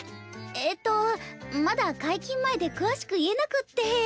えっとまだ解禁前で詳しく言えなくって。